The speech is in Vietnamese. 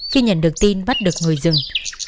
khi nhận được tin bắt được người rừng